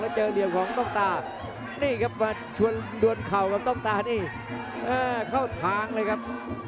เจอเหลี่ยมของต้องตานี่ครับมาชวนดวนเข่ากับต้องตานี่เข้าทางเลยครับ